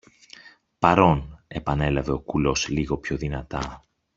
Παρών! επανέλαβε ο κουλός λίγο πιο δυνατά